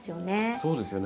そうですよね。